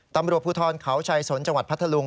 ตำรวจภูทรเขาชายสนจังหวัดพัทธลุง